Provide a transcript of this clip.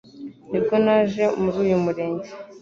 ni bwo naje muri uyu murenge